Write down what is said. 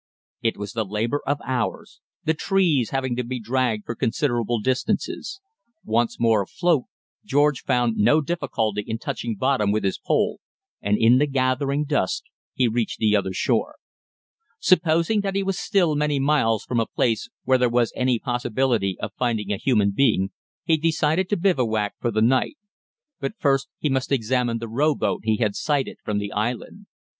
It was the labour of hours, the trees having to be dragged for considerable distances. Once more afloat, George found no difficulty in touching bottom with his pole, and in the gathering dusk he reached the other shore. Supposing that he was still many miles from a place where there was any possibility of finding a human being, he decided to bivouac for the night; but first he must examine the rowboat he had sighted from the island.